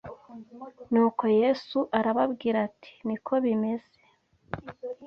Nuko Yesu arababwira ati niko bimeze